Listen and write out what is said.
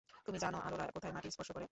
তুমি জানো আলোরা কোথায় মাটি স্পর্শ করে?